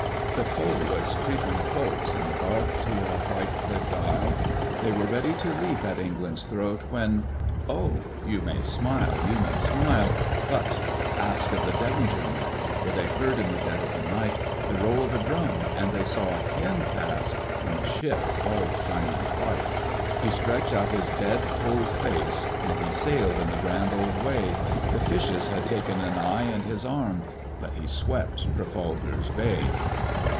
"The foe was creepin' close, In the dark, to our white cliffed isle; They were ready to leap at England's throat, When O, you may smile, you may smile; "But ask of the Devonshire men; For they heard in the dead of night The roll of a drum, and they saw him pass On a ship all shining white. "He stretched out his dead cold face And he sailed in the grand old way! The fishes had taken an eye and his arm, But he swept Trafalgar's Bay.